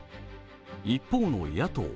一方の野党。